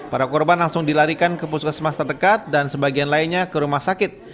para korban langsung dilarikan ke puskesmas terdekat dan sebagian lainnya ke rumah sakit